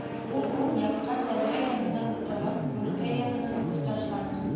Ул уң яҡҡа, тәҙрә янында ултырған Гөлкәй яғына, күҙ ташланы.